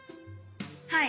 はい。